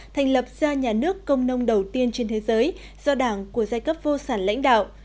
thành lập ra nhà nước công nông đầu tiên trên thế giới do đảng của giai cấp vô sản lãnh đạo